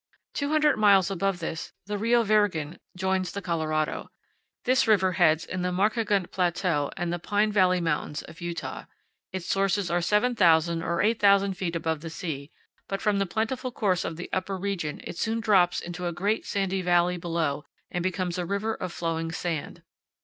Two hundred miles above this the Rio Virgen joins the Colorado. This river heads in the Markagunt Plateau and the Pine Valley Mountains of Utah. Its sources are 7,000 or 8,000 feet above the sea, but from the beautiful course of the upper region it soon drops into a great sandy valley below and becomes a river of flowing sand.